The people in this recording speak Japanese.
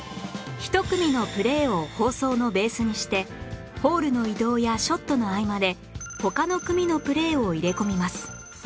１組のプレーを放送のベースにしてホールの移動やショットの合間で他の組のプレーを入れ込みます